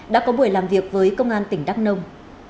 đã có buổi làm việc với công an tỉnh đắk nông